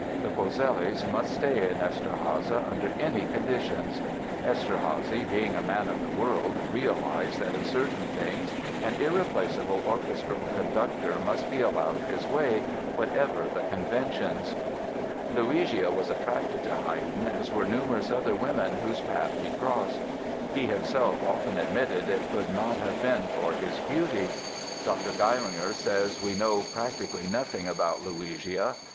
The Polzellis must stay in Eszterháza under any conditions! Eszterházy, being a man of the world, realized that in certain things an irreplaceable orchestral conductor must be allowed his way, whatever the conventions. Luigia was attracted to Haydn as were numerous other women whose path he crossed. He himself often admitted it could not have been for his beauty. Dr. Geiringer says that we know "practically nothing about Luigia."